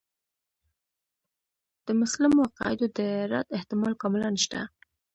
د مسلمو عقایدو د رد احتمال کاملاً شته.